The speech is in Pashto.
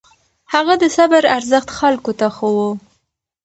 هغه د صبر ارزښت خلکو ته ښووه.